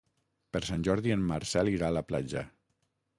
Per Sant Jordi en Marcel irà a la platja.